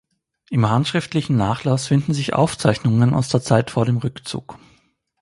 Im handschriftlichen Nachlass finden sich Aufzeichnungen aus der Zeit vor dem Rückzug.